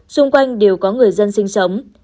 xung quanh đều có người dân sinh sống